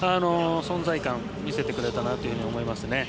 存在感を見せてくれたなと思いますね。